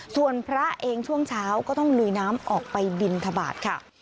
ส่วนพระเองช่วงเช้าก็ต้องลุยน้ำออกไปบินทบาทค่ะ